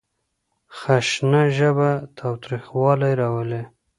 خشنه ژبه تاوتريخوالی راولي.